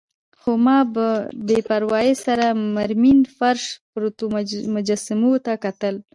خو ما په بې پروايي سره مرمرین فرش، پرتو مجسمو ته کتل.